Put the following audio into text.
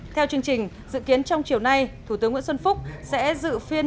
theo chương trình dự kiến trong chiều nay thủ tướng nguyễn xuân phúc sẽ dự phiên